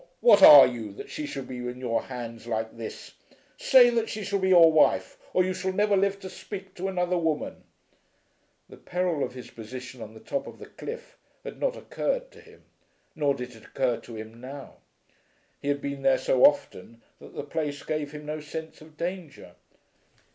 What are you, that she should be in your hands like this? Say that she shall be your wife, or you shall never live to speak to another woman." The peril of his position on the top of the cliff had not occurred to him; nor did it occur to him now. He had been there so often that the place gave him no sense of danger.